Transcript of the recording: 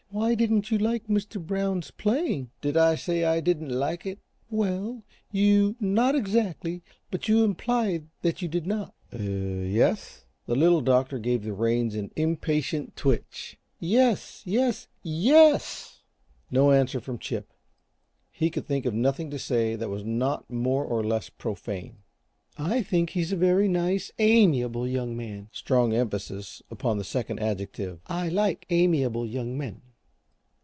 "Why didn't you like Mr. Brown's playing?" "Did I say I didn't like it?" "Well, you not exactly, but you implied that you did not." "Y e s?" The Little Doctor gave the reins an impatient twitch. "Yes, yes YES!" No answer from Chip. He could think of nothing to say that was not more or less profane. "I think he's a very nice, amiable young man" strong emphasis upon the second adjective. "I like amiable young men."